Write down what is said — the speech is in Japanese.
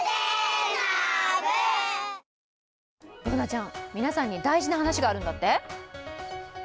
Ｂｏｏｎａちゃん、皆さんに大事な話があるんだって？